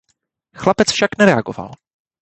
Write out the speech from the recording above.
Chlapec však nereagoval.